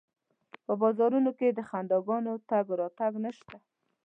په بازارونو کې د خنداګانو تګ راتګ نشته